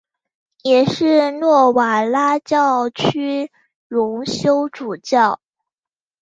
也是诺瓦拉教区荣休主教。